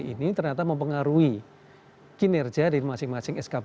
ini ternyata mempengaruhi kinerja dari masing masing skb